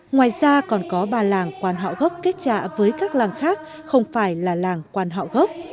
ngoài ra còn có ba làng quan họ gốc kết chạ với các làng khác không phải là làng quan họ gốc